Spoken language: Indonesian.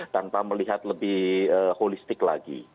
tanpa melihat lebih holistik lagi